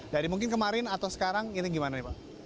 jadi mungkin kemarin atau sekarang ini gimana nih pak